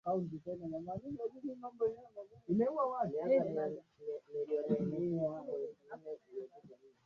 nilianza kugonjeka zaidi ule mtu alitafuta mbinu ya kujua